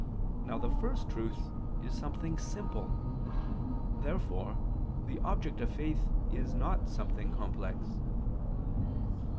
Now the First Truth is something simple. Therefore the object of faith is not something complex.